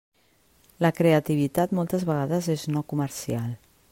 La creativitat moltes vegades és no comercial.